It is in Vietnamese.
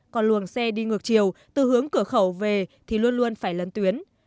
còn luồng xe đi ngược chiều từ hướng cửa khẩu về thì luôn luôn phải lấn tuyến